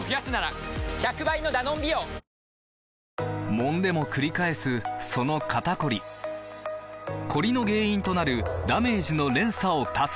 もんでもくり返すその肩こりコリの原因となるダメージの連鎖を断つ！